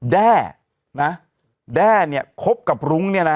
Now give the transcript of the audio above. แด่เนี่ยคบกับลุ้งเนี่ยนะ